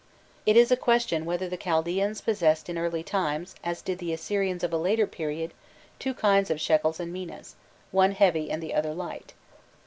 It is a question whether the Chaldaeanns possessed in early times, as did the Assyrians of a later period, two kinds of shekels and minas, one heavy and the other light.